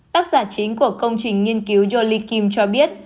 tác giả chính của công trình nghiên cứu yoli kim cho biết